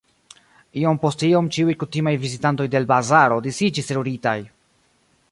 Iom post iom ĉiuj kutimaj vizitantoj de l' bazaro disiĝis teruritaj.